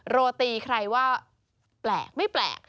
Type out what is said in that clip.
โรตีใครว่าแปลกไม่แปลก